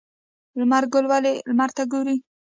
لمر ګل ولې لمر ته ګوري؟